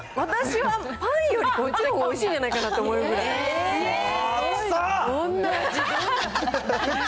私はパンよりこっちのほうがおいしいんじゃないかなと思えるえー。